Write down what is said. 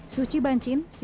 suci bancin cnn indonesia